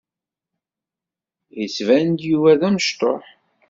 Yettban-d Yuba d amecṭuḥ.